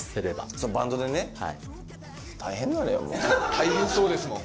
大変そうですもん。